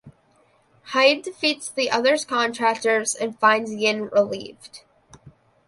Hei defeats the others Contractors and finds Yin relieved.